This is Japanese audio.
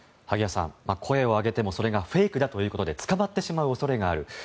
萩谷さん、声を上げてもそれがフェイクだということで捕まってしまう恐れがある。